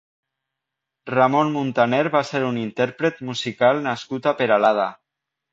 Ramon Muntaner va ser un intérpret musical nascut a Peralada.